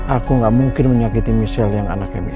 aku gak mungkin menyakiti michelle yang anaknya mila